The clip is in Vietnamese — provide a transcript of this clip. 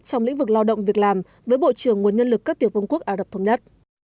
trong lĩnh vực lao động việc làm với bộ trưởng nguồn nhân lực các tiểu công quốc ả rập thống nhất